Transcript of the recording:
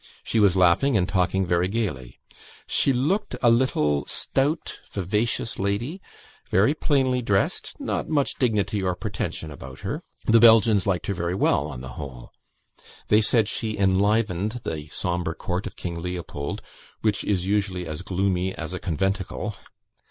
She was laughing and talking very gaily. She looked a little stout, vivacious lady, very plainly dressed, not much dignity or pretension about her. The Belgians liked her very well on the whole. They said she enlivened the sombre court of King Leopold, which is usually as gloomy as a conventicle.